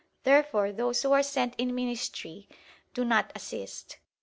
Therefore those who are sent in ministry do not assist.